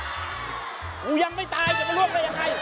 กูยังไม่ตายอย่ามาล่วงใคร